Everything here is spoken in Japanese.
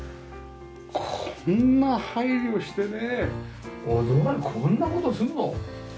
こんな配慮してねこんな事するの？